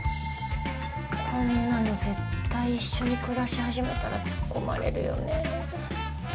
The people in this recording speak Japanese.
こんなの絶対一緒に暮らし始めたら突っ込まれるよね。